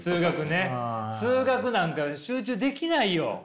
数学なんか集中できないよ。